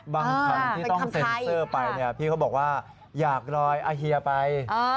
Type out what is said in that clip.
คำที่ต้องเซ็นเซอร์ไปเนี่ยพี่เขาบอกว่าอยากรอยอาเฮียไป